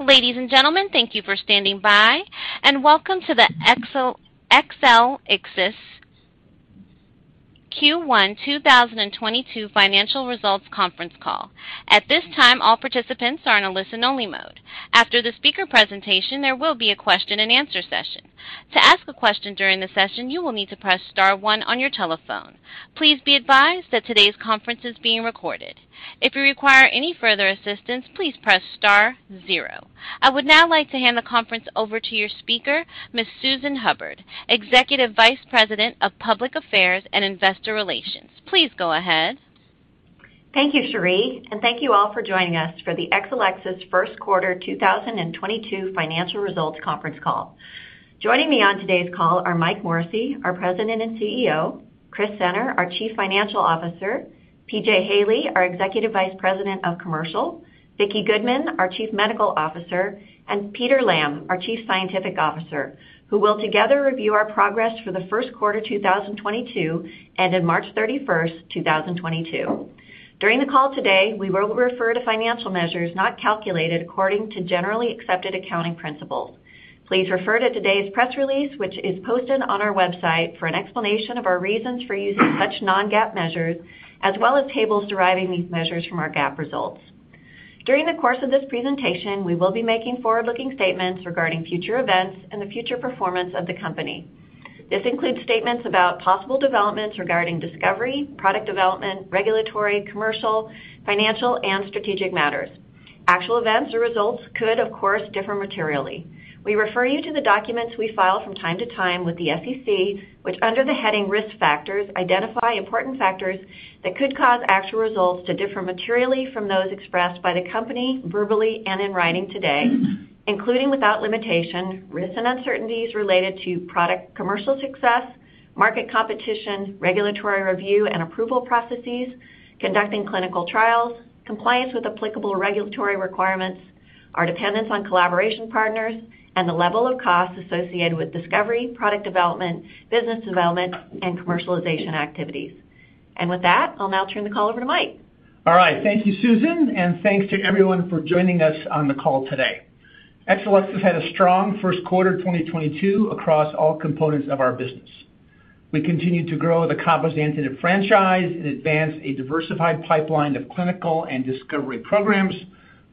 Ladies and gentlemen, thank you for standing by, and welcome to the Exelixis Q1 2022 financial results conference call. At this time, all participants are in a Listen-Only Mode. After the speaker presentation, there will be a question and answer session. To ask a question during the session, you will need to press star one on your telephone. Please be advised that today's conference is being recorded. If you require any further assistance, please press star zero. I would now like to hand the conference over to your speaker, Ms. Susan Hubbard, Executive Vice President of Public Affairs and Investor Relations. Please go ahead. Thank you, Shari, and thank you all for joining us for the Exelixis first 1/4 2022 financial results conference call. Joining me on today's call are Mike Morrissey, our President and CEO, Chris Senner, our Chief Financial Officer, P.J. Haley, our Executive Vice President of Commercial, Vicki Goodman, our Chief Medical Officer, and Peter Lamb, our Chief Scientific Officer, who will together review our progress for the first 1/4 2022 ended March 31, 2022. During the call today, we will refer to financial measures not calculated according to generally accepted accounting principles. Please refer to today's press release, which is posted on our website, for an explanation of our reasons for using such Non-GAAP measures, as well as tables deriving these measures from our GAAP results. During the course of this presentation, we will be making Forward-Looking statements regarding future events and the future performance of the company. This includes statements about possible developments regarding discovery, product development, regulatory, commercial, financial, and strategic matters. Actual events or results could, of course, differ materially. We refer you to the documents we file from time to time with the SEC, which under the heading Risk Factors, identify important factors that could cause actual results to differ materially from those expressed by the company verbally and in writing today, including without limitation, risks and uncertainties related to product commercial success, market competition, regulatory review and approval processes, conducting clinical trials, compliance with applicable regulatory requirements, our dependence on collaboration partners, and the level of costs associated with discovery, product development, business development, and commercialization activities. With that, I'll now turn the call over to Mike. All right. Thank you, Susan, and thanks to everyone for joining us on the call today. Exelixis had a strong first 1/4 2022 across all components of our business. We continued to grow the cabozantinib franchise and advance a diversified pipeline of clinical and discovery programs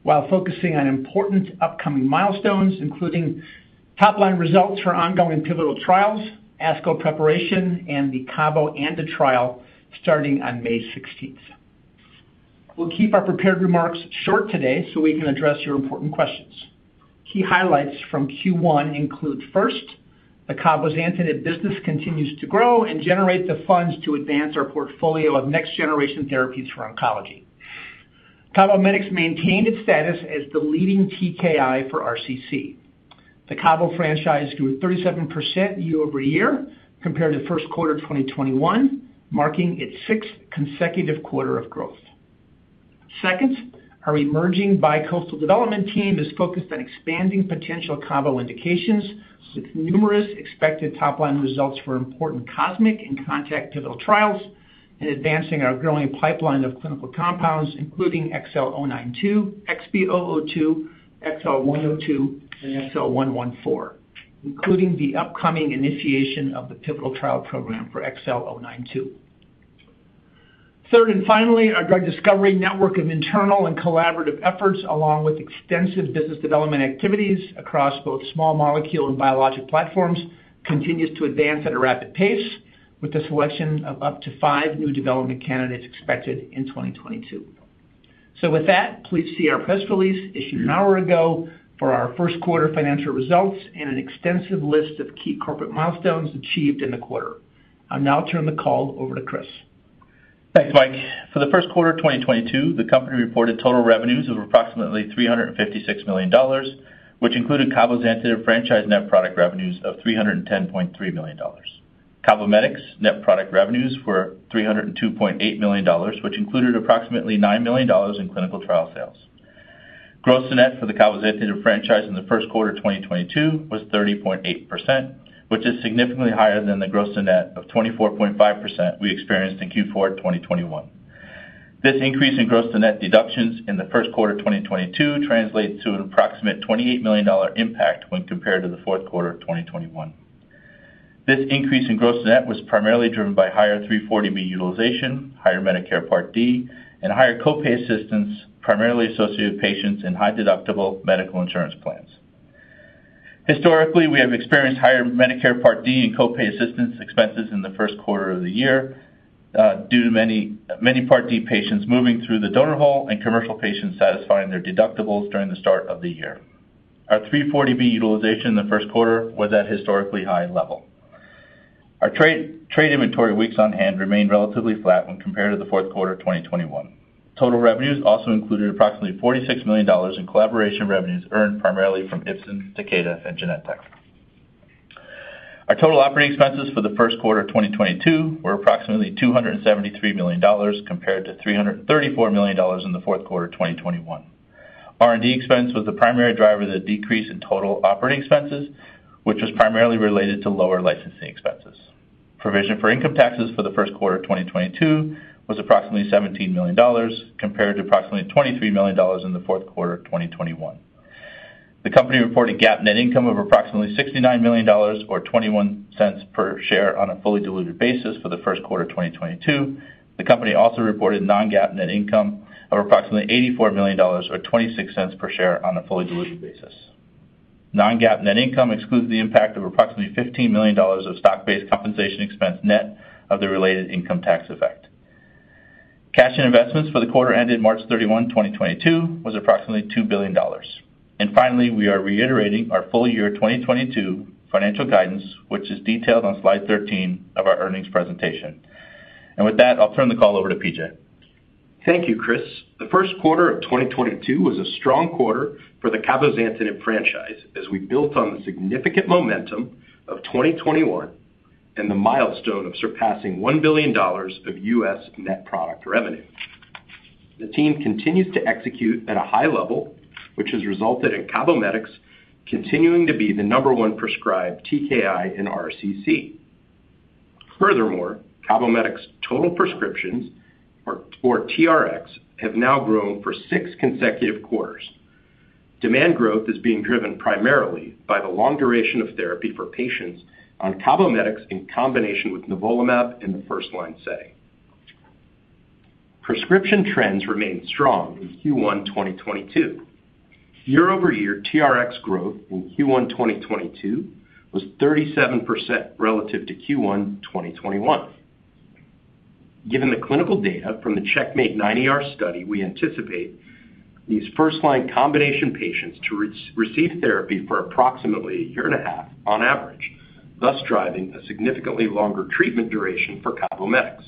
while focusing on important upcoming milestones, including top-line results for ongoing pivotal trials, ASCO preparation, and the Cabo ANDA trial starting on May 6teenth. We'll keep our prepared remarks short today so we can address your important questions. Key highlights from Q1 include, first, the cabozantinib business continues to grow and generate the funds to advance our portfolio of next generation therapies for oncology. CABOMETYX maintained its status as the leading TKI for RCC. The Cabo franchise grew 37% year-over-year compared to first 1/4 2021, marking its 6th consecutive 1/4 of growth. Second, our emerging biocoastal development team is focused on expanding potential Cabo indications with numerous expected top-line results for important COSMIC and CONTACT pivotal trials and advancing our growing pipeline of clinical compounds, including XL092, XB002, XL102, and XL114, including the upcoming initiation of the pivotal trial program for XL092. Third, and finally, our drug discovery network of internal and collaborative efforts, along with extensive business development activities across both small molecule and biologic platforms, continues to advance at a rapid pace with the selection of up to 5 new development candidates expected in 2022. With that, please see our press release issued an hour ago for our first 1/4 financial results and an extensive list of key corporate milestones achieved in the 1/4. I'll now turn the call over to Chris. Thanks, Mike. For the first 1/4 2022, the company reported total revenues of approximately $356 million, which included cabozantinib franchise net product revenues of $310.3 million. CABOMETYX net product revenues were $302.8 million, which included approximately $9 million in clinical trial sales. Gross to net for the cabozantinib franchise in the first 1/4 2022 was 30.8%, which is significantly higher than the gross to net of 24.5% we experienced in Q4 2021. This increase in gross to net deductions in the first 1/4 2022 translates to an approximate $28 million impact when compared to the 4th 1/4 of 2021. This increase in gross to net was primarily driven by higher 340B utilization, higher Medicare Part D, and higher Co-Pay assistance, primarily associated with patients in high-deductible medical insurance plans. Historically, we have experienced higher Medicare Part D and Co-Pay assistance expenses in the first 1/4 of the year, due to many Part D patients moving through the donut hole and commercial patients satisfying their deductibles during the start of the year. Our 340B utilization in the first 1/4 was at historically high level. Our trade inventory weeks on hand remained relatively flat when compared to the 4th 1/4 of 2021. Total revenues also included approximately $46 million in collaboration revenues earned primarily from Ipsen, Takeda, and Genentech. Our total operating expenses for the first 1/4 of 2022 were approximately $273 million compared to $334 million in the 4th 1/4 of 2021. R&D expense was the primary driver of the decrease in total operating expenses, which was primarily related to lower licensing expenses. Provision for income taxes for the first 1/4 of 2022 was approximately $17 million, compared to approximately $23 million in the 4th 1/4 of 2021. The company reported GAAP net income of approximately $69 million or $0.21 per share on a fully diluted basis for the first 1/4 of 2022. The company also reported Non-GAAP net income of approximately $84 million or $0.26 per share on a fully diluted basis. Non-GAAP net income excludes the impact of approximately $15 million of Stock-Based compensation expense net of the related income tax effect. Cash and investments for the 1/4 ended March 31, 2022 was approximately $2 billion. Finally, we are reiterating our full year 2022 financial guidance, which is detailed on slide 13 of our earnings presentation. With that, I'll turn the call over to P.J. Thank you, Chris. The first 1/4 of 2022 was a strong 1/4 for the cabozantinib franchise as we built on the significant momentum of 2021 and the milestone of surpassing $1 billion of US net product revenue. The team continues to execute at a high level, which has resulted in CABOMETYX continuing to be the number 1 prescribed TKI in RCC. Furthermore, CABOMETYX total prescriptions or TRX have now grown for 6 consecutive quarters. Demand growth is being driven primarily by the long duration of therapy for patients on CABOMETYX in combination with nivolumab in the First-Line setting. Prescription trends remained strong in Q1 2022. Year-over-year TRX growth in Q1 2022 was 37% relative to Q1 2021. Given the clinical data from the CheckMate 9ER study, we anticipate these First-Line combination patients to receive therapy for approximately a year and a half on average, thus driving a significantly longer treatment duration for CABOMETYX.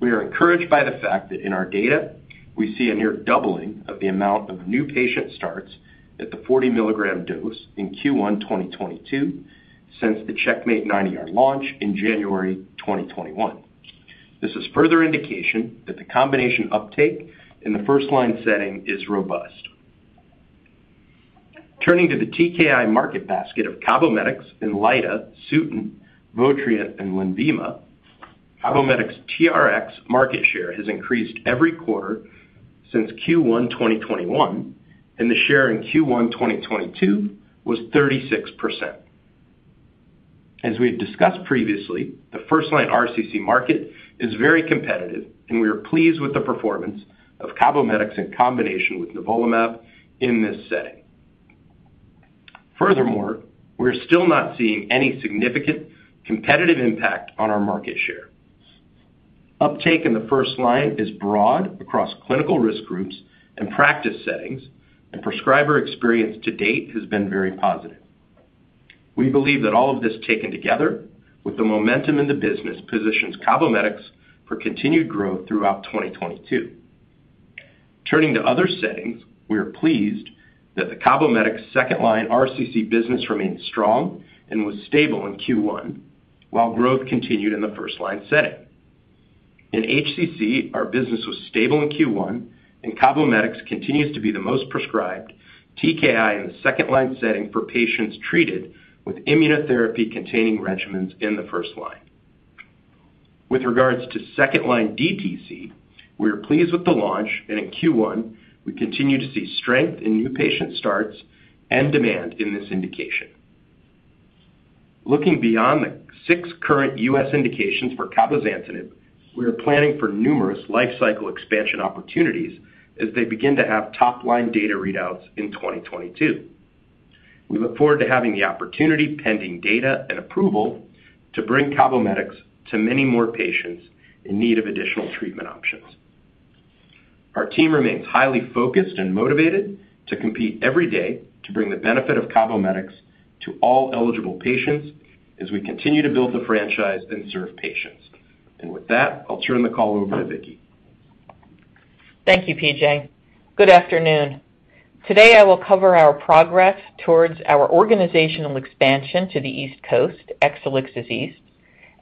We are encouraged by the fact that in our data we see a near doubling of the amount of new patient starts at the 40 milligram dose in Q1 2022 since the CheckMate 9ER launch in January 2021. This is further indication that the combination uptake in the first line setting is robust. Turning to the TKI market basket of CABOMETYX, INLYTA, SUTENT, VOTRIENT, and LENVIMA, CABOMETYX TRX market share has increased every 1/4 since Q1 2021, and the share in Q1 2022 was 36%. As we had discussed previously, the First-Line RCC market is very competitive, and we are pleased with the performance of CABOMETYX in combination with nivolumab in this setting. Furthermore, we're still not seeing any significant competitive impact on our market share. Uptake in the first line is broad across clinical risk groups and practice settings, and prescriber experience to date has been very positive. We believe that all of this taken together with the momentum in the business positions CABOMETYX for continued growth throughout 2022. Turning to other settings, we are pleased that the CABOMETYX second line RCC business remains strong and was stable in Q1, while growth continued in the first line setting. In HCC, our business was stable in Q1, and CABOMETYX continues to be the most prescribed TKI in the second line setting for patients treated with immunotherapy-containing regimens in the first line. With regards to Second-Line DTC, we are pleased with the launch, and in Q1, we continue to see strength in new patient starts and demand in this indication. Looking beyond the 6 current U.S. indications for cabozantinib, we are planning for numerous life cycle expansion opportunities as they begin to have top-line data readouts in 2022. We look forward to having the opportunity, pending data and approval, to bring CABOMETYX to many more patients in need of additional treatment options. Our team remains highly focused and motivated to compete every day to bring the benefit of CABOMETYX to all eligible patients as we continue to build the franchise and serve patients. With that, I'll turn the call over to Vicki. Thank you, P.J. Good afternoon. Today, I will cover our progress towards our organizational expansion to the East Coast, Exelixis East,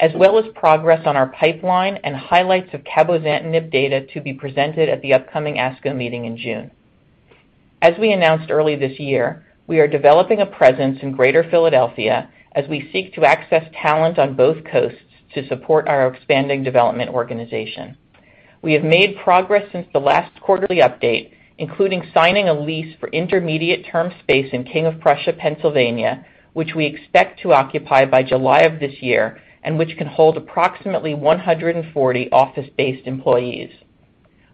as well as progress on our pipeline and highlights of cabozantinib data to be presented at the upcoming ASCO meeting in June. As we announced early this year, we are developing a presence in Greater Philadelphia as we seek to access talent on both coasts to support our expanding development organization. We have made progress since the last quarterly update, including signing a lease for intermediate-term space in King of Prussia, Pennsylvania, which we expect to occupy by July of this year and which can hold approximately 140 office-based employees.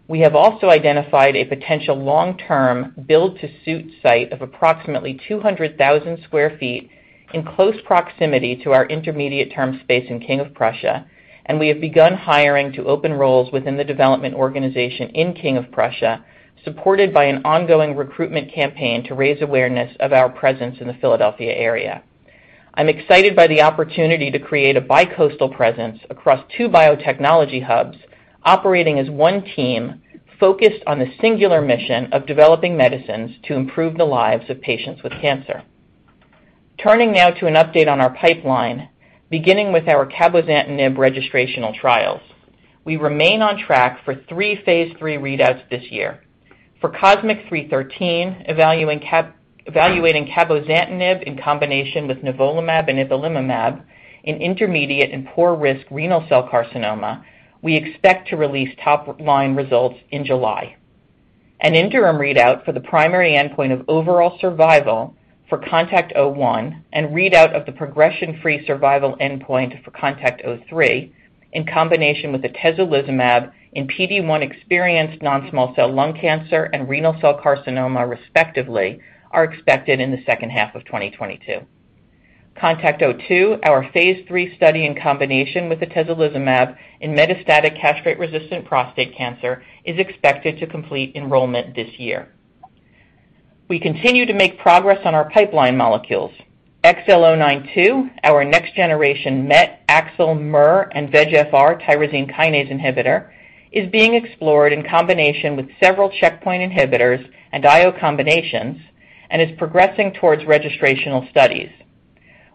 We have also identified a potential Long-Term build-to-suit site of approximately 200,000 sq ft in close proximity to our intermediate-term space in King of Prussia, and we have begun hiring to open roles within the development organization in King of Prussia, supported by an ongoing recruitment campaign to raise awareness of our presence in the Philadelphia area. I'm excited by the opportunity to create a bi-coastal presence across 2 biotechnology hubs operating as one team focused on the singular mission of developing medicines to improve the lives of patients with cancer. Turning now to an update on our pipeline, beginning with our cabozantinib registrational trials. We remain on track for 3 phase 3 readouts this year. For COSMIC-313, evaluating cabozantinib in combination with nivolumab and ipilimumab in intermediate and poor risk renal cell carcinoma, we expect to release top-line results in July. An interim readout for the primary endpoint of overall survival for CONTACT-01 and readout of the progression-free survival endpoint for CONTACT-03 in combination with atezolizumab in PD-1 experienced Non-small cell lung cancer and renal cell carcinoma respectively are expected in the second half of 2022. CONTACT-02, our phase 3 study in combination with atezolizumab in metastatic castration-resistant prostate cancer, is expected to complete enrollment this year. We continue to make progress on our pipeline molecules. XL092, our next generation MET, AXL, MER, and VEGFR tyrosine kinase inhibitor, is being explored in combination with several checkpoint inhibitors and IO combinations and is progressing towards registrational studies.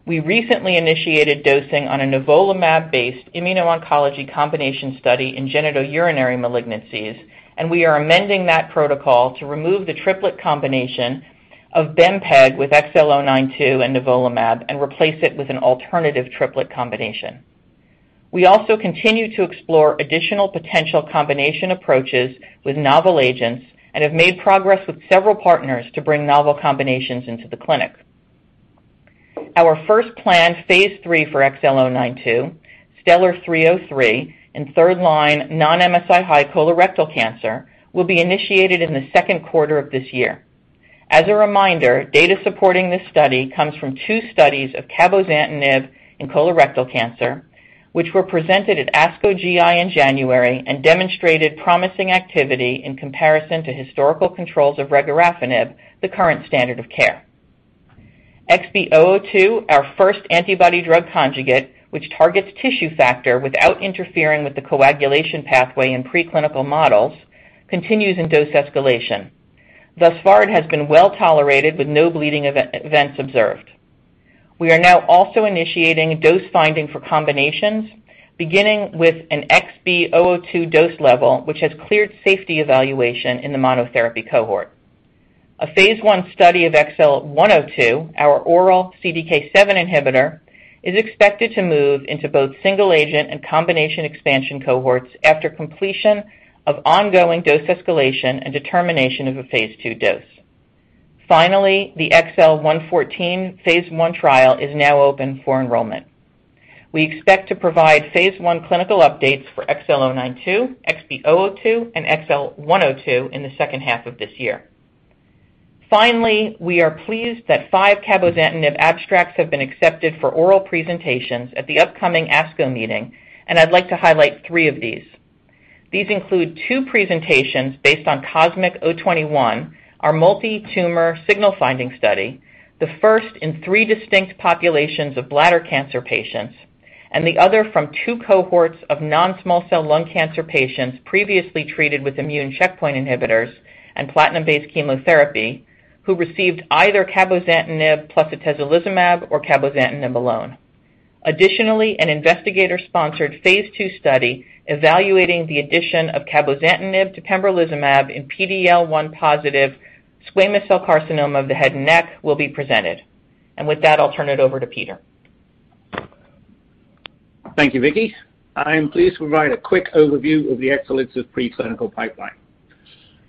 We recently initiated dosing on a Nivolumab-Based Immuno-Oncology combination study in genitourinary malignancies, and we are amending that protocol to remove the triplet combination of bempeg with XL092 and nivolumab and replace it with an alternative triplet combination. We also continue to explore additional potential combination approaches with novel agents and have made progress with several partners to bring novel combinations into the clinic. Our first planned phase 3 for XL092, STELLAR-303 in third-line Non-MSI-high colorectal cancer, will be initiated in the second 1/4 of this year. As a reminder, data supporting this study comes from 2 studies of cabozantinib in colorectal cancer, which were presented at ASCO GI in January and demonstrated promising activity in comparison to historical controls of regorafenib, the current standard of care. XB002, our first Antibody-Drug conjugate, which targets tissue factor without interfering with the coagulation pathway in preclinical models, continues in dose escalation. Thus far, it has been well-tolerated with no bleeding events observed. We are now also initiating dose finding for combinations, beginning with an XB002 dose level, which has cleared safety evaluation in the monotherapy cohort. A phase 1 study of XL102, our oral CDK7 inhibitor, is expected to move into both single agent and combination expansion cohorts after completion of ongoing dose escalation and determination of a phase 2 dose. The XL114 phase 1 trial is now open for enrollment. We expect to provide phase 1 clinical updates for XL092, XB002, and XL102 in the second half of this year. We are pleased that 5 cabozantinib abstracts have been accepted for oral presentations at the upcoming ASCO meeting, and I'd like to highlight 3 of these. These include 2 presentations based on COSMIC-021, our multi-tumor signal finding study, the first in 3 distinct populations of bladder cancer patients, and the other from 2 cohorts of Non-small cell lung cancer patients previously treated with immune checkpoint inhibitors and platinum-based chemotherapy who received either cabozantinib plus atezolizumab or cabozantinib alone. Additionally, an Investigator-Sponsored phase 2 study evaluating the addition of cabozantinib to pembrolizumab in PD-L1 positive squamous cell carcinoma of the head and neck will be presented. With that, I'll turn it over to Peter. Thank you, Vicky. I am pleased to provide a quick overview of the Exelixis preclinical pipeline.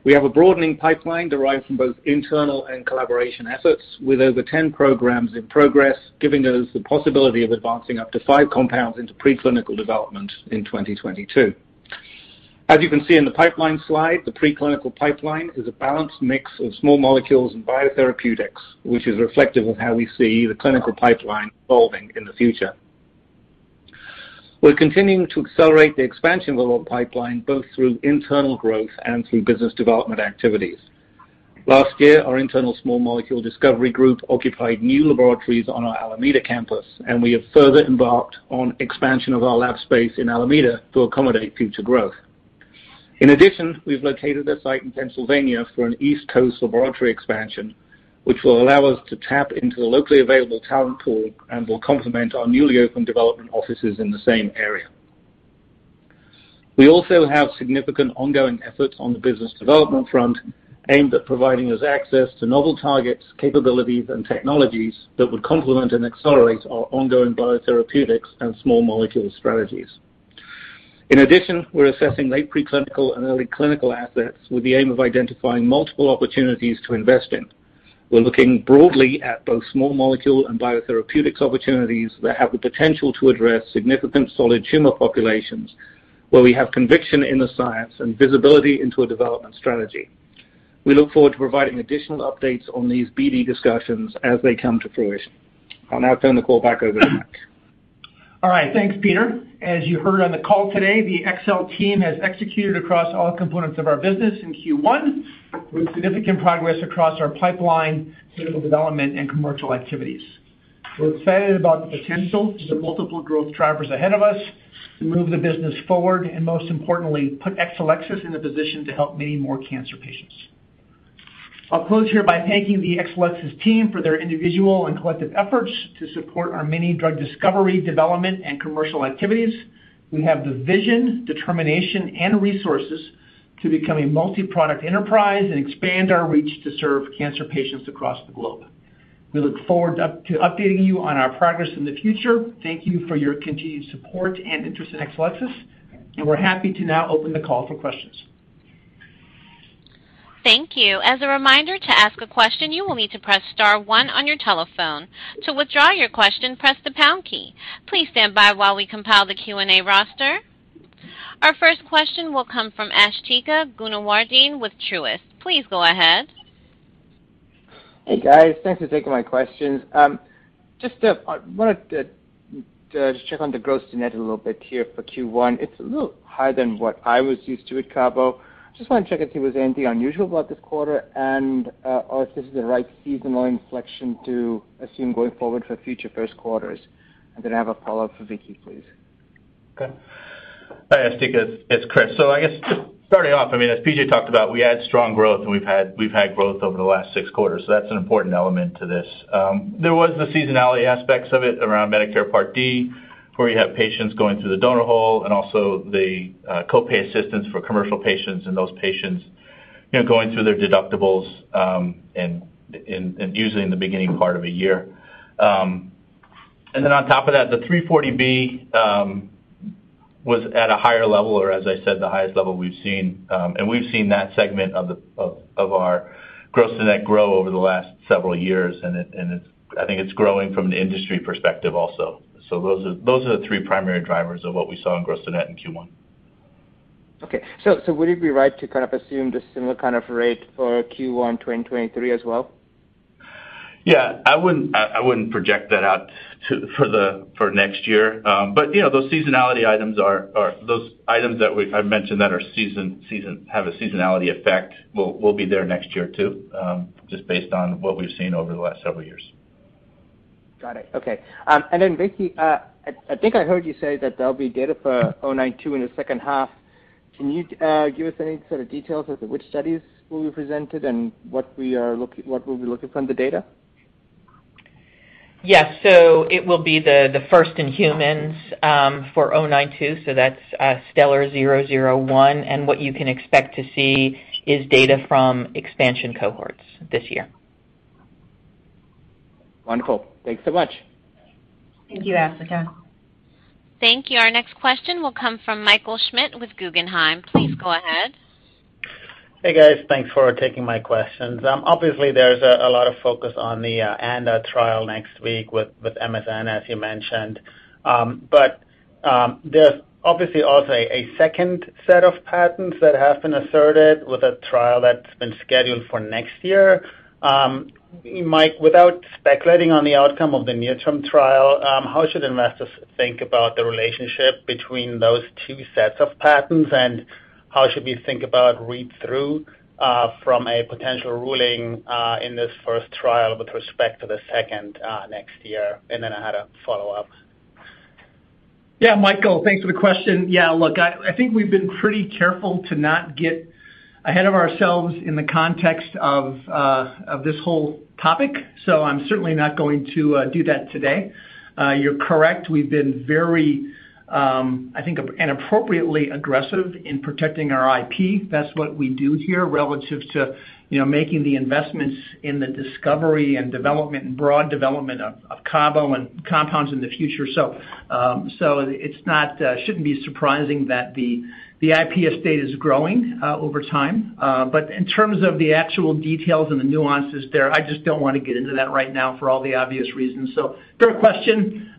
We have a broadening pipeline derived from both internal and collaboration efforts with over 10 programs in progress, giving us the possibility of advancing up to 5 compounds into preclinical development in 2022. As you can see in the pipeline slide, the preclinical pipeline is a balanced mix of small molecules and biotherapeutics, which is reflective of how we see the clinical pipeline evolving in the future. We're continuing to accelerate the expansion of our pipeline, both through internal growth and through business development activities. Last year, our internal small molecule discovery group occupied new laboratories on our Alameda campus, and we have further embarked on expansion of our lab space in Alameda to accommodate future growth. In addition, we've located a site in Pennsylvania for an East Coast laboratory expansion, which will allow us to tap into the locally available talent pool and will complement our newly opened development offices in the same area. We also have significant ongoing efforts on the business development front aimed at providing us access to novel targets, capabilities, and technologies that would complement and accelerate our ongoing biotherapeutics and small molecule strategies. In addition, we're assessing late preclinical and early clinical assets with the aim of identifying multiple opportunities to invest in. We're looking broadly at both small molecule and biotherapeutics opportunities that have the potential to address significant solid tumor populations where we have conviction in the science and visibility into a development strategy. We look forward to providing additional updates on these BD discussions as they come to fruition. I'll now turn the call back over to Mike. All right. Thanks, Peter. As you heard on the call today, the Exelixis team has executed across all components of our business in Q1 with significant progress across our pipeline, clinical development, and commercial activities. We're excited about the potential for the multiple growth drivers ahead of us to move the business forward, and most importantly, put Exelixis in a position to help many more cancer patients. I'll close here by thanking the Exelixis team for their individual and collective efforts to support our many drug discovery, development, and commercial activities. We have the vision, determination, and resources to become a multi-product enterprise and expand our reach to serve cancer patients across the globe. We look forward to updating you on our progress in the future. Thank you for your continued support and interest in Exelixis, and we're happy to now open the call for questions. Thank you. As a reminder, to ask a question, you will need to press star one on your telephone. To withdraw your question, press the pound key. Please stand by while we compile the Q&A roster. Our first question will come from Asthika Goonewardene with Truist. Please go ahead. Hey, guys. Thanks for taking my questions. Just wanted to check on the gross to net a little bit here for Q1. It's a little higher than what I was used to with CABO. Just wanted to check and see if there was anything unusual about this 1/4 and or if this is the right seasonal inflection to assume going forward for future first quarters. Then I have a Follow-Up for Vicki, please. Okay. Hi, Asthika, it's Chris. I guess just starting off, I mean, as P.J. talked about, we had strong growth, and we've had growth over the last 6 quarters, so that's an important element to this. There was the seasonality aspects of it around Medicare Part D, where you have patients going through the donut hole and also the Co-Pay assistance for commercial patients and those patients, you know, going through their deductibles, and usually in the beginning part of a year. On top of that, the 340B was at a higher level or, as I said, the highest level we've seen, and we've seen that segment of our gross to net grow over the last several years, and it's, I think it's growing from an industry perspective also. Those are the 3 primary drivers of what we saw in gross to net in Q1. Okay. Would it be right to kind of assume the similar kind of rate for Q1 2023 as well? I wouldn't project that out for next year. You know, those seasonality items are those items that I've mentioned that have a seasonality effect, will be there next year too, just based on what we've seen over the last several years. Got it. Okay. Vicki, I think I heard you say that there'll be data for 092 in the second half. Can you give us any sort of details as to which studies will be presented and what we'll be looking for from the data? Yes. It will be the first in humans for 092, so that's STELLAR-001. What you can expect to see is data from expansion cohorts this year. Wonderful. Thanks so much. Thank you, Asthika. Thank you. Our next question will come from Michael Schmidt with Guggenheim. Please go ahead. Hey, guys. Thanks for taking my questions. Obviously, there's a lot of focus on the ANDA trial next week with MSN Laboratories, as you mentioned. There's obviously also a second set of patents that have been asserted with a trial that's been scheduled for next year. Mike, without speculating on the outcome of the near-term trial, how should investors think about the relationship between those 2 sets of patents, and how should we think about read-through from a potential ruling in this first trial with respect to the second next year? Then I had a Follow-Up. Yeah, Michael, thanks for the question. Yeah, look, I think we've been pretty careful to not get ahead of ourselves in the context of this whole topic, so I'm certainly not going to do that today. You're correct. We've been very, I think, and appropriately aggressive in protecting our IP. That's what we do here relative to, you know, making the investments in the discovery and development and broad development of CABO and compounds in the future. So, it shouldn't be surprising that the IP estate is growing over time. But in terms of the actual details and the nuances there, I just don't wanna get into that right now for all the obvious reasons. So great question.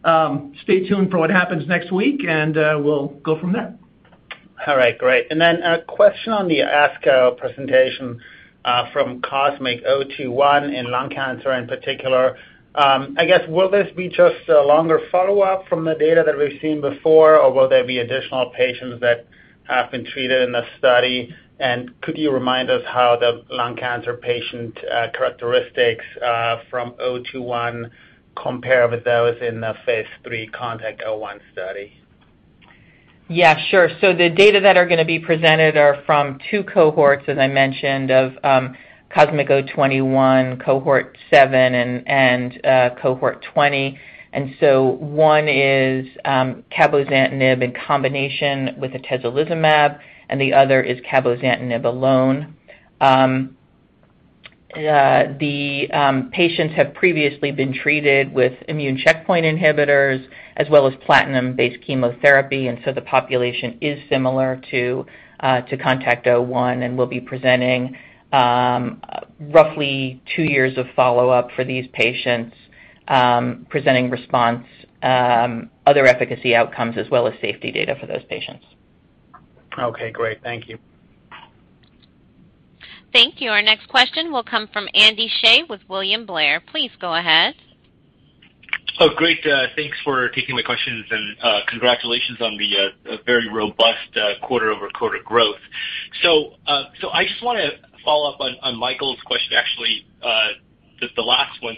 Stay tuned for what happens next week, and we'll go from there. All right, great. Then a question on the ASCO presentation from COSMIC-021 in lung cancer in particular. I guess will this be just a longer Follow-Up from the data that we've seen before, or will there be additional patients that have been treated in the study? Could you remind us how the lung cancer patient characteristics from 021 compare with those in the phase 3 CONTACT-01 study? Yeah, sure. The data that are gonna be presented are from 2 cohorts, as I mentioned, of COSMIC-021, cohort 7 and cohort 20. One is cabozantinib in combination with atezolizumab, and the other is cabozantinib alone. The patients have previously been treated with immune checkpoint inhibitors as well as platinum-based chemotherapy, and the population is similar to CONTACT-01. We'll be presenting roughly 2 years of Follow-Up for these patients, presenting response, other efficacy outcomes, as well as safety data for those patients. Okay, great. Thank you. Thank you. Our next question will come from Andy Hsieh with William Blair. Please go ahead. Oh, great. Thanks for taking my questions and, congratulations on the very robust quarter-over-quarter growth. I just wanna follow up on Michael's question, actually, just the last one.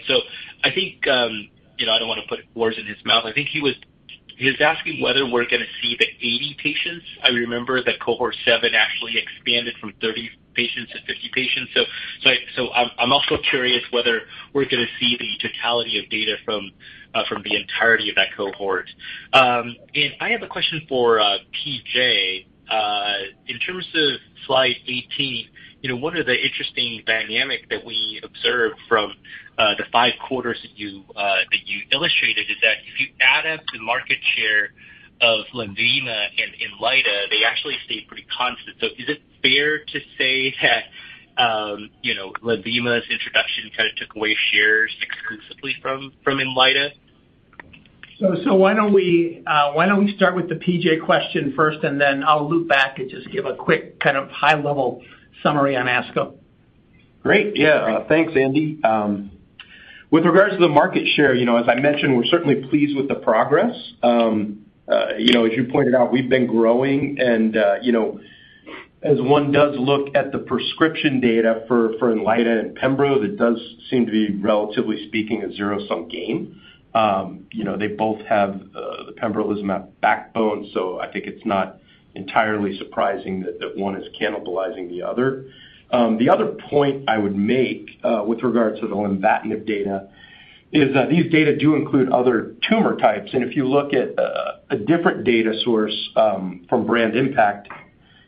I think, you know, I don't wanna put words in his mouth. I think he's asking whether we're gonna see the 80 patients. I remember that cohort 7 actually expanded from 30 patients to 50 patients. I'm also curious whether we're gonna see the totality of data from the entirety of that cohort. I have a question for P.J. In terms of slide 18, you know, one of the interesting dynamic that we observed from the 5 quarters that you illustrated is that if you add up the market share of LENVIMA and INLYTA, they actually stay pretty constant. Is it fair to say that, you know, LENVIMA's introduction kind of took away shares exclusively from INLYTA? Why don't we start with the P.J. question first, and then I'll loop back and just give a quick kind of high-level summary on ASCO. Great. Yeah. Thanks, Andy. With regards to the market share, you know, as I mentioned, we're certainly pleased with the progress. You know, as you pointed out, we've been growing and, you know, as one does look at the prescription data for INLYTA and pembro, that does seem to be, relatively speaking, a zero-sum game. You know, they both have the pembrolizumab backbone, so I think it's not entirely surprising that that one is cannibalizing the other. The other point I would make, with regards to the lenvatinib data is that these data do include other tumor types. If you look at a different data source, from Brand Impact,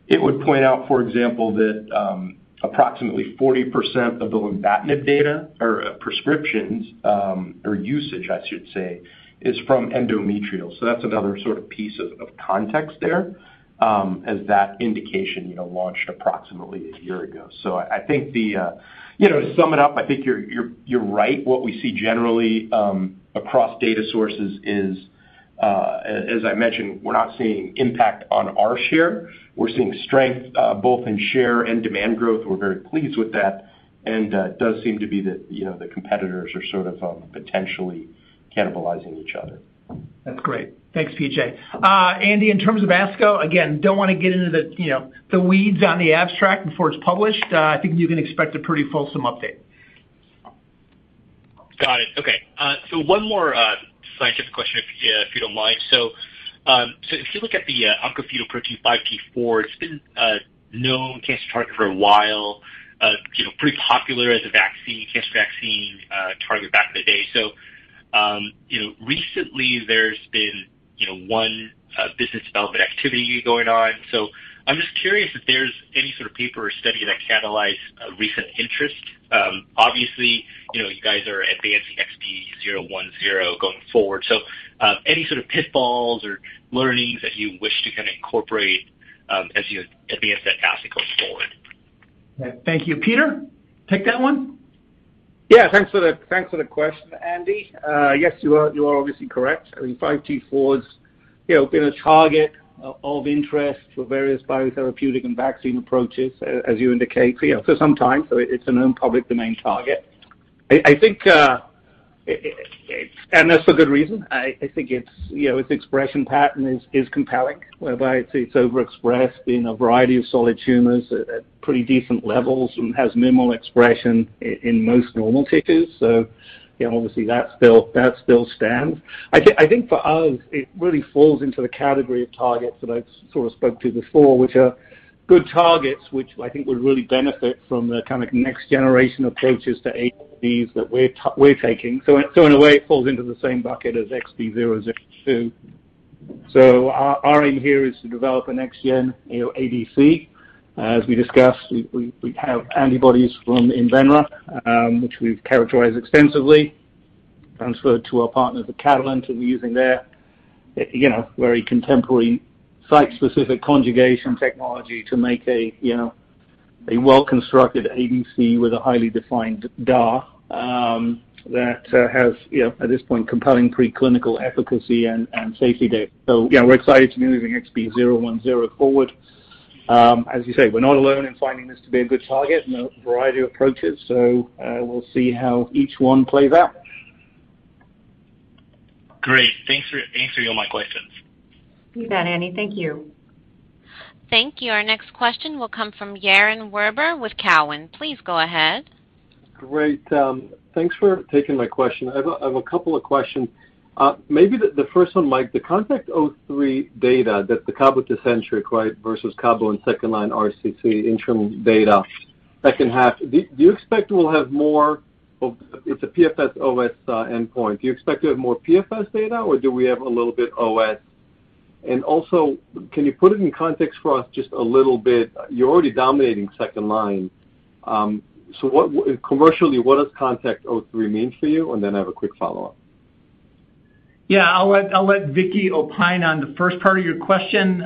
it would point out, for example, that approximately 40% of the lenvatinib data or prescriptions, or usage I should say, is from endometrial. That's another sort of piece of context there, as that indication, you know, launched approximately a year ago. I think you know, to sum it up, I think you're right. What we see generally across data sources is, as I mentioned, we're not seeing impact on our share. We're seeing strength both in share and demand growth. We're very pleased with that, and it does seem to be that, you know, the competitors are sort of potentially cannibalizing each other. That's great. Thanks, P.J. Andy, in terms of ASCO, again, don't wanna get into the, you know, the weeds on the abstract before it's published. I think you can expect a pretty fulsome update. Got it. Okay. One more scientific question if you don't mind. If you look at the oncofetal protein 5T4, it's been a known cancer target for a while, you know, pretty popular as a cancer vaccine target back in the day. Recently there's been one business development activity going on. I'm just curious if there's any sort of paper or study that catalyzed a recent interest. Obviously, you know, you guys are advancing XB010 going forward. Any sort of pitfalls or learnings that you wish to kinda incorporate as you advance that asset going forward? Thank you. Peter, take that one. Yeah. Thanks for the question, Andy. Yes, you are obviously correct. I mean, 5T4's, you know, been a target of interest for various biotherapeutic and vaccine approaches, as you indicate, you know, for some time. It's a known public domain target. I think it. That's for good reason. I think it's, you know, its expression pattern is compelling, whereby it's overexpressed in a variety of solid tumors at pretty decent levels and has minimal expression in most normal tissues. You know, obviously, that still stands. I think for us, it really falls into the category of targets that I sort of spoke to before, which are good targets, which I think would really benefit from the kind of next generation approaches to ADCs that we're taking. In a way, it falls into the same bucket as XB002. Our aim here is to develop a next gen, you know, ADC. As we discussed, we have antibodies from Invenra, which we've characterized extensively, transferred to our partners at Catalent, and we're using their, you know, very contemporary site-specific conjugation technology to make a, you know, a well-constructed ADC with a highly defined DAR, that has, you know, at this point, compelling preclinical efficacy and safety data. Yeah, we're excited to be moving XB010 forward. As you say, we're not alone in finding this to be a good target in a variety of approaches, so we'll see how each one plays out. Great. Thanks for answering all my questions. You bet, Andy. Thank you. Thank you. Our next question will come from Yaron Werber with Cowen. Please go ahead. Great. Thanks for taking my question. I have a couple of questions. Maybe the first one, Mike, the CONTACT-03 data that the cabo TECENTRIQ, right, versus cabo in Second-Line RCC interim data second half, do you expect we'll have more of. It's a PFS OS endpoint. Do you expect to have more PFS data, or do we have a little bit OS? And also, can you put it in context for us just a little bit? You're already dominating second line. So, commercially, what does CONTACT-03 mean for you? And then I have a quick Follow-Up. Yeah. I'll let Vicki opine on the first part of your question.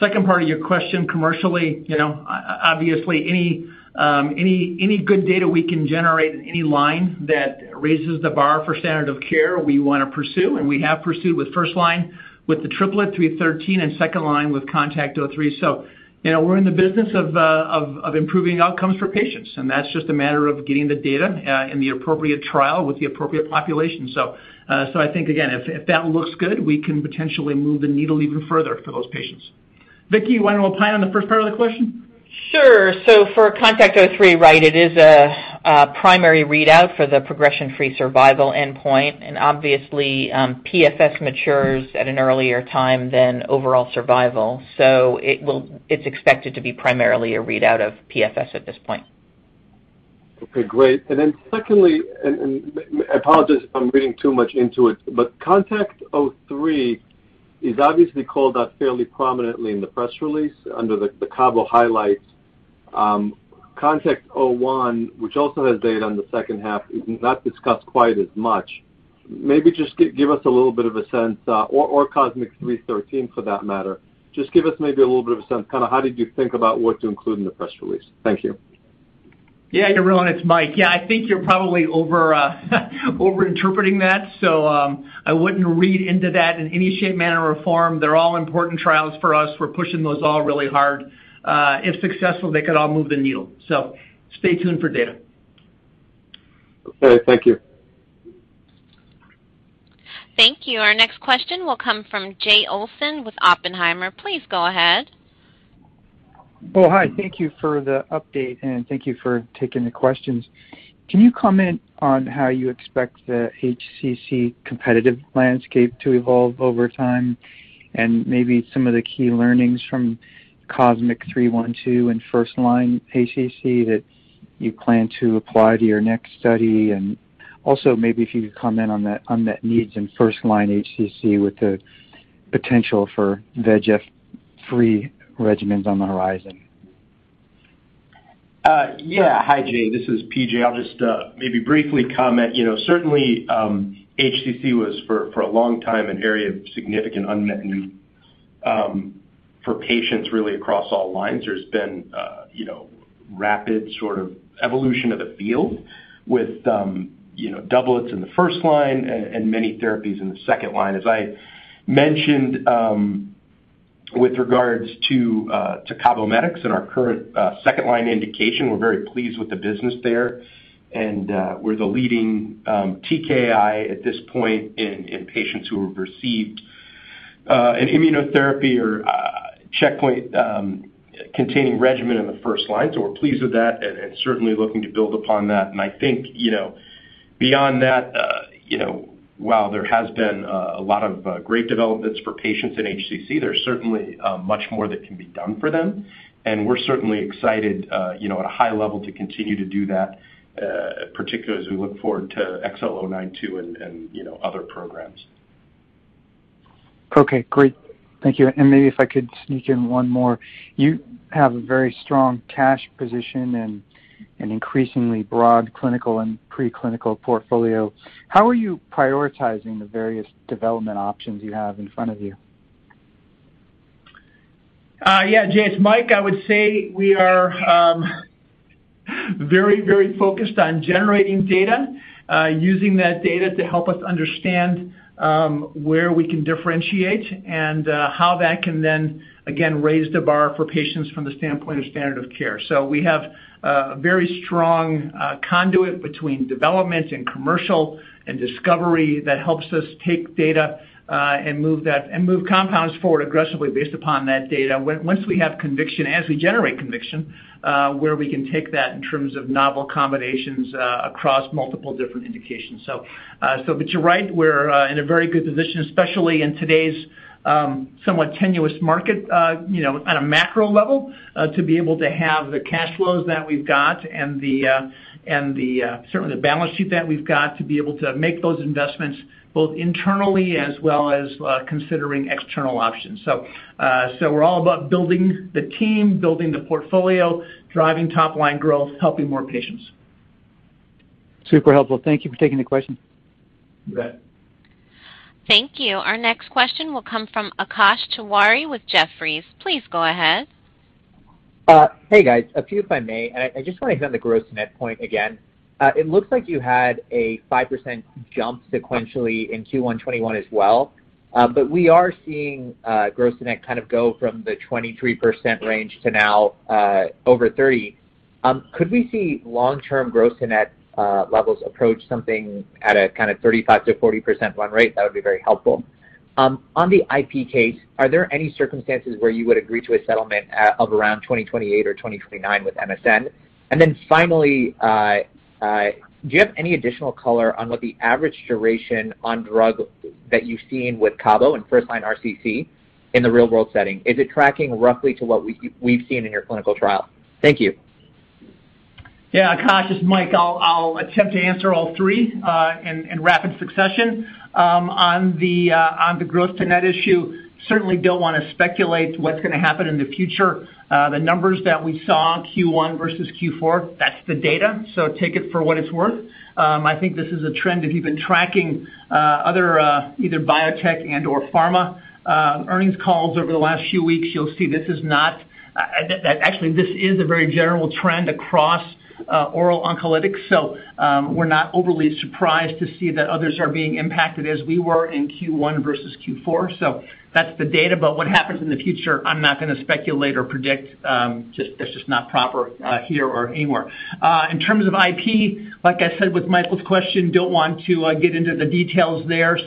Second part of your question, commercially, you know, obviously, any good data we can generate in any line that raises the bar for standard of care, we wanna pursue, and we have pursued with first line with the triplet 3 thirteen and second line with CONTACT-03. You know, we're in the business of improving outcomes for patients, and that's just a matter of getting the data in the appropriate trial with the appropriate population. I think, again, if that looks good, we can potentially move the needle even further for those patients. Vicki, you wanna opine on the first part of the question? Sure. For CONTACT-03, right, it is a primary readout for the progression-free survival endpoint, and obviously, PFS matures at an earlier time than overall survival. It's expected to be primarily a readout of PFS at this point. Okay, great. Then secondly, I apologize if I'm reading too much into it, but CONTACT-03 is obviously called out fairly prominently in the press release under the CABO highlights. CONTACT-01, which also has data on the second half, is not discussed quite as much. Maybe just give us a little bit of a sense. Or COSMIC-313 for that matter, just give us maybe a little bit of a sense kinda how did you think about what to include in the press release? Thank you. Yaron, it's Mike. Yeah, I think you're probably overinterpreting that, so I wouldn't read into that in any shape, manner or form. They're all important trials for us. We're pushing those all really hard. If successful, they could all move the needle. Stay tuned for data. Okay, thank you. Thank you. Our next question will come from Jay Olson with Oppenheimer. Please go ahead. Thank you for the update, and thank you for taking the questions. Can you comment on how you expect the HCC competitive landscape to evolve over time and maybe some of the key learnings from COSMIC-312 in First-Line HCC that you plan to apply to your next study? Also, maybe if you could comment on the unmet needs in First-Line HCC with the potential for VEGF TKI regimens on the horizon? Yeah. Hi, Jay. This is PJ. I'll just maybe briefly comment. You know, certainly HCC was for a long time an area of significant unmet need for patients really across all lines. There's been you know, rapid sort of evolution of the field with you know, doublets in the first line and many therapies in the second line. As I mentioned with regards to CABOMETYX and our current second line indication, we're very pleased with the business there. We're the leading TKI at this point in patients who have received an immunotherapy or checkpoint containing regimen in the first line. We're pleased with that and certainly looking to build upon that. I think, you know, beyond that, you know, while there has been a lot of great developments for patients in HCC, there's certainly much more that can be done for them. We're certainly excited, you know, at a high level to continue to do that, particularly as we look forward to XL092 and you know, other programs. Okay, great. Thank you. Maybe if I could sneak in one more. You have a very strong cash position and an increasingly broad clinical and preclinical portfolio. How are you prioritizing the various development options you have in front of you? Yeah, Jay, it's Mike. I would say we are very focused on generating data, using that data to help us understand where we can differentiate and how that can then again raise the bar for patients from the standpoint of standard of care. We have a very strong conduit between development and commercial and discovery that helps us take data and move that and move compounds forward aggressively based upon that data once we have conviction, as we generate conviction, where we can take that in terms of novel combinations across multiple different indications. You're right, we're in a very good position, especially in today's somewhat tenuous market, you know, on a macro level, to be able to have the cash flows that we've got and certainly the balance sheet that we've got to be able to make those investments both internally as well as considering external options. We're all about building the team, building the portfolio, driving top-line growth, helping more patients. Super helpful. Thank you for taking the question. You bet. Thank you. Our next question will come from Akash Tewari with Jefferies. Please go ahead. Hey, guys. A few, if I may. I just wanna hit on the gross net point again. It looks like you had a 5% jump sequentially in Q1 2021 as well. We are seeing gross net kind of go from the 23% range to now over 30%. Could we see Long-Term gross net levels approach something at a kinda 35%-40% run rate? That would be very helpful. On the IP case, are there any circumstances where you would agree to a settlement of around 2028 or 2029 with MSN Laboratories? Then finally, do you have any additional color on what the average duration on drug that you've seen with CABO in first line RCC in the real world setting? Is it tracking roughly to what we've seen in your clinical trial? Thank you. Yeah, Akash Tewari, it's Mike Morrissey. I'll attempt to answer all 3 in rapid succession. On the gross to net issue, certainly don't wanna speculate what's gonna happen in the future. The numbers that we saw in Q1 versus Q4, that's the data, so take it for what it's worth. I think this is a trend. If you've been tracking other either biotech and/or pharma earnings calls over the last few weeks, you'll see this is actually a very general trend across oral oncolytics. So, we're not overly surprised to see that others are being impacted as we were in Q1 versus Q4. So that's the data. But what happens in the future, I'm not gonna speculate or predict. It's just not proper here or anywhere. In terms of IP, like I said with Michael's question, don't want to get into the details there.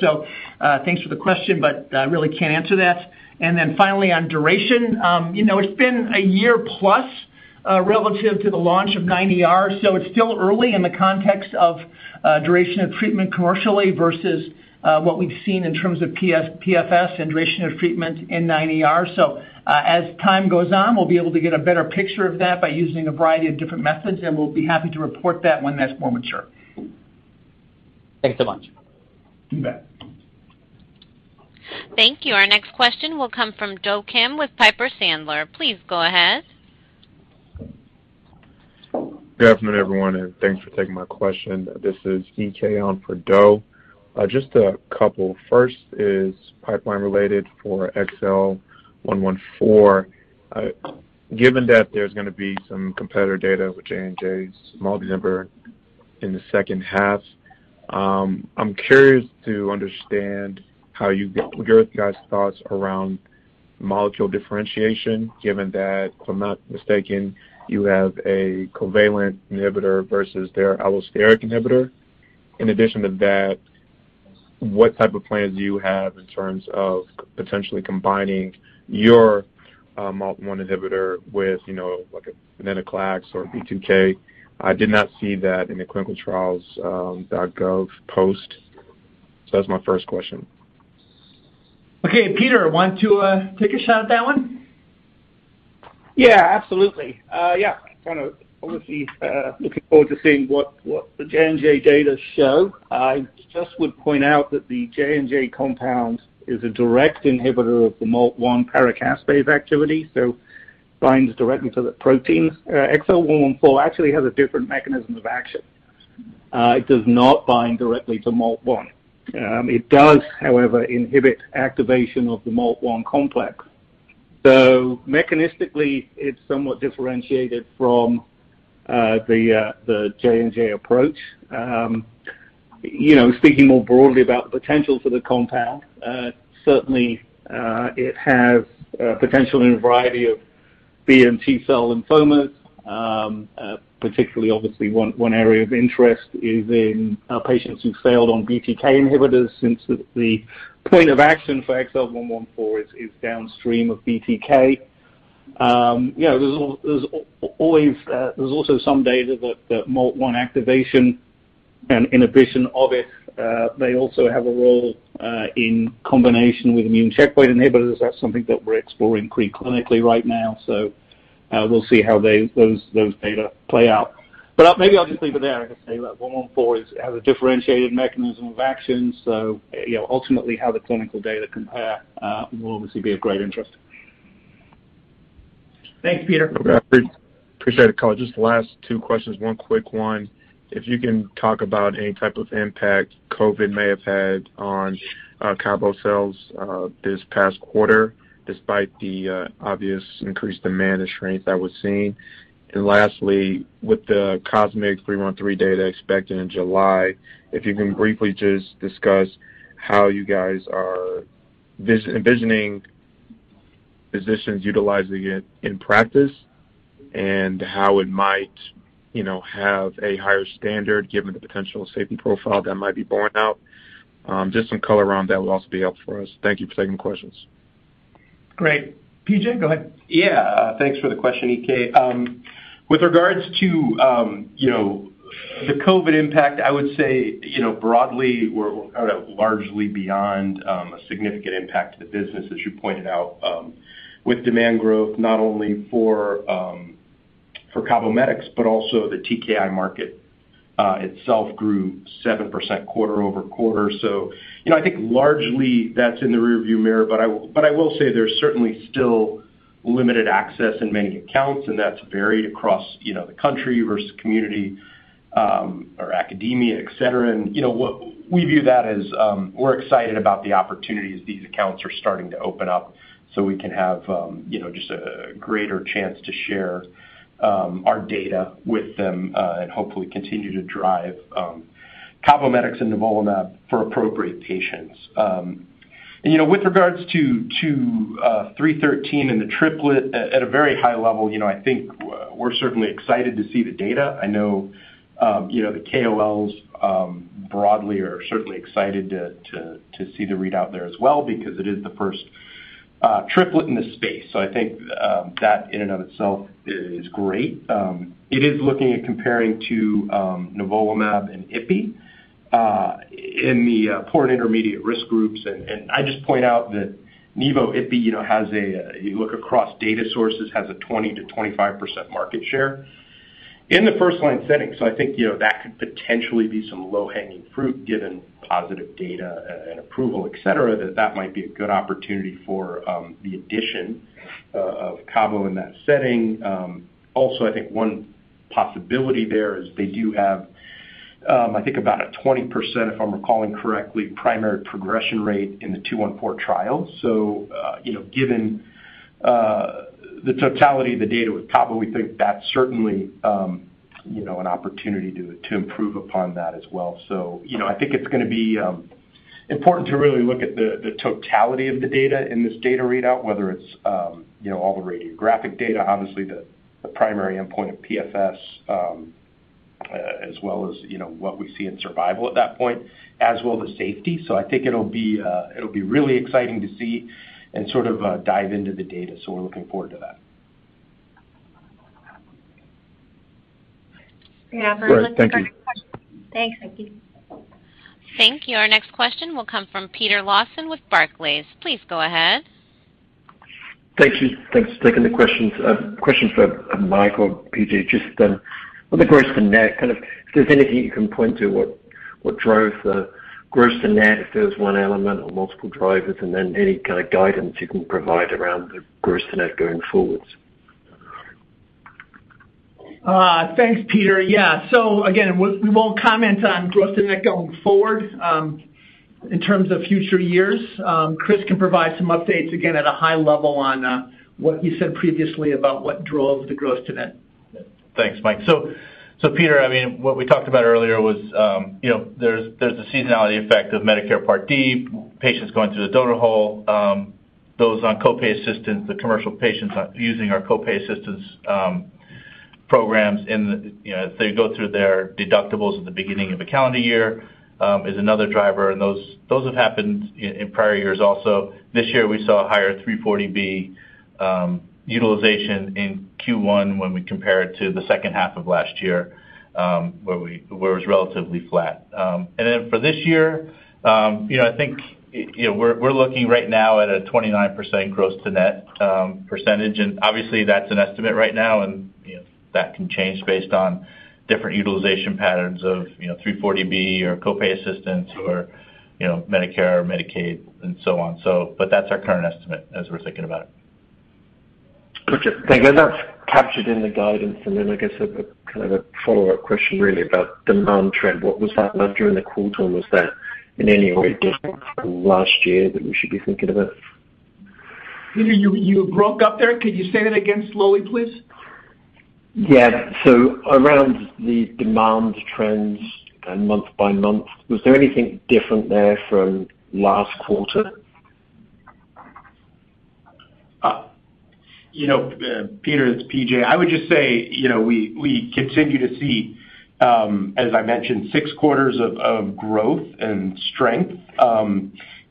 Thanks for the question, but really can't answer that. Then finally on duration, you know, it's been a year plus relative to the launch of 9ER. It's still early in the context of duration of treatment commercially versus what we've seen in terms of PFS and duration of treatment in 9ER. As time goes on, we'll be able to get a better picture of that by using a variety of different methods, and we'll be happy to report that when that's more mature. Thanks so much. You bet. Thank you. Our next question will come from Do Kim with Piper Sandler. Please go ahead. Good afternoon, everyone, and thanks for taking my question. This is EK on for Do. Just a couple. First is pipeline related for XL114. Given that there's gonna be some competitor data with J&J's MALT1 inhibitor in the second half, I'm curious to understand what are you guys' thoughts around molecule differentiation given that if I'm not mistaken, you have a covalent inhibitor versus their allosteric inhibitor. In addition to that, what type of plans do you have in terms of potentially combining your MALT1 inhibitor with, you know, like a venetoclax or BTK? I did not see that in the ClinicalTrials.gov post. That's my first question. Okay, Peter, want to take a shot at that one? Yeah, absolutely. Yeah, kinda obviously, looking forward to seeing what the J&J data show. I just would point out that the J&J compound is a direct inhibitor of the MALT1 paracaspase activity, so binds directly to the protein. XL114 actually has a different mechanism of action. It does not bind directly to MALT1. It does, however, inhibit activation of the MALT1 complex. So mechanistically, it's somewhat differentiated from the J&J approach. You know, speaking more broadly about the potential for the compound, certainly it has potential in a variety of B and T cell lymphomas. Particularly obviously one area of interest is in patients who've failed on BTK inhibitors since the point of action for XL114 is downstream of BTK. You know, there's also some data that MALT1 activation and inhibition of it may also have a role in combination with immune checkpoint inhibitors. That's something that we're exploring preclinically right now, so we'll see how those data play out. Maybe I'll just leave it there. Like I say, XL114 has a differentiated mechanism of action, so you know, ultimately how the clinical data compare will obviously be of great interest. Thanks, Peter. Okay. Appreciate it. Call, just the last 2 questions. One quick one, if you can talk about any type of impact COVID may have had on CABOMETYX sales this past 1/4 despite the obvious increased demand and strength that we're seeing. Lastly, with the COSMIC-313 data expected in July, if you can briefly just discuss how you guys are envisioning physicians utilizing it in practice and how it might, you know, have a higher standard given the potential safety profile that might be borne out. Just some color around that would also be helpful for us. Thank you for taking the questions. Great. P.J., go ahead. Yeah, thanks for the question, EK. With regards to the COVID impact, I would say, you know, broadly, we're kinda largely beyond a significant impact to the business, as you pointed out, with demand growth not only for CABOMETYX, but also the TKI market itself grew 7% 1/4-over-quarter. You know, I think largely that's in the rearview mirror, but I will say there's certainly still limited access in many accounts, and that's varied across the country versus community or academia, et cetera. You know, what we view that as, we're excited about the opportunities these accounts are starting to open up so we can have, you know, just a greater chance to share our data with them, and hopefully continue to drive CABOMETYX and nivolumab for appropriate patients. You know, with regards to COSMIC-313 and the triplet at a very high level, you know, I think we're certainly excited to see the data. I know, you know, the KOLs broadly are certainly excited to see the readout there as well because it is the first triplet in the space. So I think that in and of itself is great. It is looking at comparing to nivolumab and ipi in the poor and intermediate risk groups. I just point out that nivo/ipi, you know, you look across data sources, has a 20%-25% market share in the first line setting. I think, you know, that could potentially be some low-hanging fruit given positive data and approval, et cetera, that might be a good opportunity for the addition of cabo in that setting. Also, I think one possibility there is they do have, I think about a 20%, if I'm recalling correctly, primary progression rate in the CheckMate 214 trial. You know, given the totality of the data with cabo, we think that's certainly, you know, an opportunity to improve upon that as well. You know, I think it's gonna be important to really look at the totality of the data in this data readout, whether it's you know, all the radiographic data, obviously the primary endpoint of PFS. As well as, you know, what we see in survival at that point, as well as safety. I think it'll be really exciting to see and sort of dive into the data, so we're looking forward to that. Yeah. All right. Thank you. Thanks. Thank you. Our next question will come from Peter Lawson with Barclays. Please go ahead. Thank you. Thanks for taking the questions. Question for Mike or PJ. Just on the gross to net, kind of is there anything you can point to what drove the gross to net? If there was one element or multiple drivers, and then any kind of guidance you can provide around the gross to net going forward. Thanks, Peter. Yeah. Again, we won't comment on gross to net going forward in terms of future years. Chris can provide some updates again at a high level on what you said previously about what drove the gross to net. Thanks, Mike. Peter, I mean, what we talked about earlier was, you know, there's a seasonality effect of Medicare Part D, patients going through the donut hole, those on Co-Pay assistance, the commercial patients using our Co-Pay assistance programs. You know, as they go through their deductibles at the beginning of a calendar year is another driver, and those have happened in prior years also. This year we saw a higher 340B utilization in Q1 when we compare it to the second half of last year, where it was relatively flat. For this year, you know, I think, you know, we're looking right now at a 29% gross to net percentage. Obviously that's an estimate right now and, you know, that can change based on different utilization patterns of, you know, 340B or Co-Pay assistance or, you know, Medicare or Medicaid and so on, so. That's our current estimate as we're thinking about it. Good and Thank you. That's captured in the guidance. Then I guess kind of a Follow-Up question really about demand trend. What was that like during the 1/4, and was that in any way different from last year that we should be thinking about? Peter, you broke up there. Could you say that again slowly, please? Yeah. Around the demand trends and month by month, was there anything different there from last 1/4? You know, Peter, it's P.J. I would just say, you know, we continue to see, as I mentioned, 6 quarters of growth and strength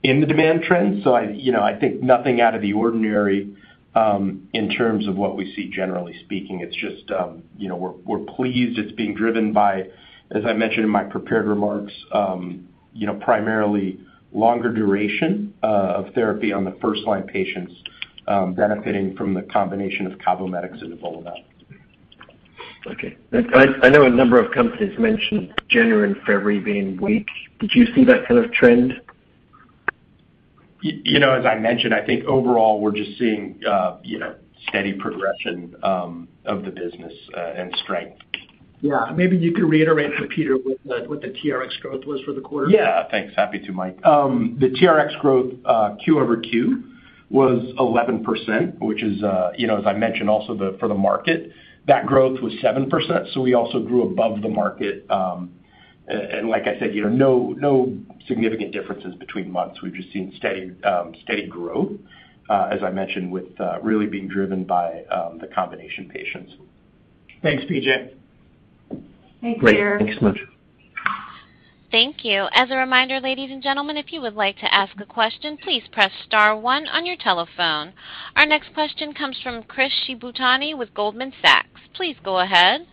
in the demand trends. I think nothing out of the ordinary in terms of what we see generally speaking. It's just, you know, we're pleased it's being driven by, as I mentioned in my prepared remarks, you know, primarily longer duration of therapy on the First-Line patients, benefiting from the combination of Cabometyx and nivolumab. Okay. I know a number of companies mentioned January and February being weak. Did you see that kind of trend? You know, as I mentioned, I think overall we're just seeing you know, steady progression of the business and strength. Yeah. Maybe you could reiterate for Peter what the TRX growth was for the 1/4. Yeah. Thanks. Happy to, Mike. The TRX growth 1/4-over-quarter was 11%, which is, you know, as I mentioned, also for the market, that growth was 7%. We also grew above the market. And like I said, you know, no significant differences between months. We've just seen steady growth, as I mentioned, with really being driven by the combination patients. Thanks, P.J. Thanks, Peter. Great. Thanks so much. Thank you. As a reminder, ladies and gentlemen, if you would like to ask a question, please press star one on your telephone. Our next question comes from Chris Shibutani with Goldman Sachs. Please go ahead.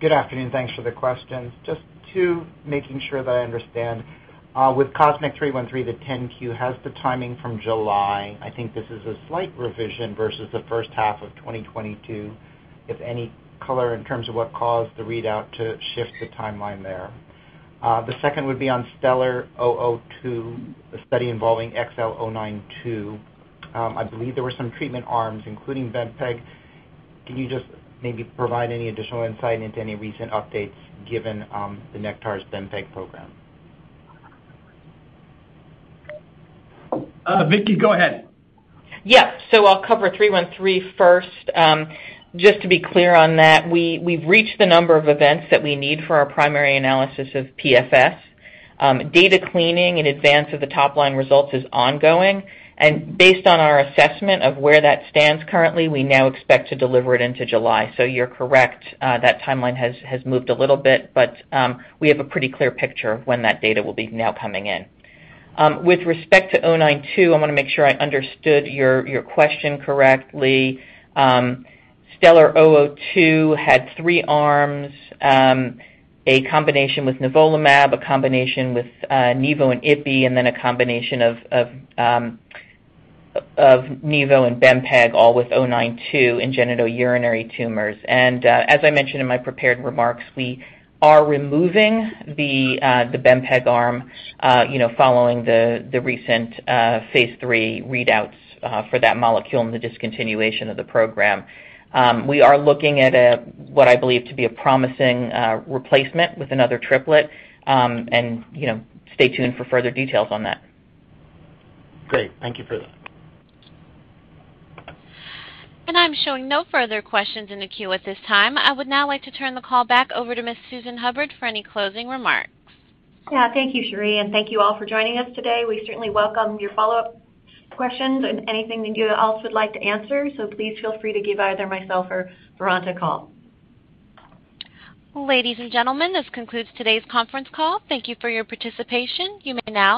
Good afternoon. Thanks for the questions. Just 2, making sure that I understand. With COSMIC-313, the 10-Q has the timing from July. I think this is a slight revision versus the first half of 2022. If any color in terms of what caused the readout to shift the timeline there. The second would be on STELLAR-002, the study involving XL092. I believe there were some treatment arms, including bempeg. Can you just maybe provide any additional insight into any recent updates given the Nektar's bempeg program? Vicki, go ahead. Yes. I'll cover COSMIC-313 first. Just to be clear on that, we've reached the number of events that we need for our primary analysis of PFS. Data cleaning in advance of the top-line results is ongoing, and based on our assessment of where that stands currently, we now expect to deliver it into July. You're correct, that timeline has moved a little bit, but we have a pretty clear picture of when that data will be now coming in. With respect to XL092, I want to make sure I understood your question correctly. STELLAR-002 had 3 arms, a combination with nivolumab, a combination with nivo and ipi, and then a combination of nivo and bempeg, all with XL092 in genitourinary tumors. As I mentioned in my prepared remarks, we are removing the bempeg arm, you know, following the recent phase 3 readouts for that molecule and the discontinuation of the program. We are looking at a what I believe to be a promising replacement with another triplet. You know, stay tuned for further details on that. Great. Thank you for that. I'm showing no further questions in the queue at this time. I would now like to turn the call back over to Ms. Susan Hubbard for any closing remarks. Yeah. Thank you, Shari, and thank you all for joining us today. We certainly welcome your Follow-Up questions and anything that you also would like to answer. Please feel free to give either myself or Veronica a call. Ladies and gentlemen, this concludes today's conference call. Thank you for your participation. You may now disconnect.